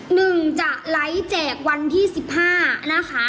หนึ่งจะไลฟ์แจกวันที่๑๕นะคะ